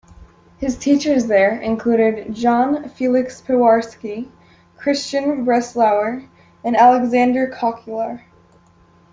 His teachers there included Jan Feliks Piwarski, Chrystian Breslauer and Aleksander Kokular.